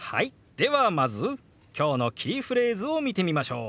ではまず今日のキーフレーズを見てみましょう。